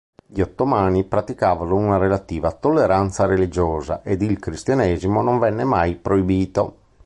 Gli ottomani praticavano una relativa tolleranza religiosa ed il cristianesimo non venne mai proibito.